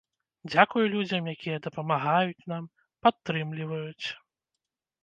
Дзякуй людзям, якія дапамагаюць нам, падтрымліваюць.